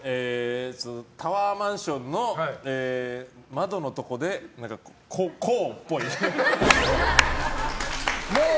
タワーマンションの窓のところでこうっぽい。